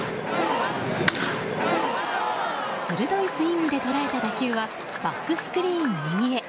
鋭いスイングで捉えた打球はバックスクリーン右へ。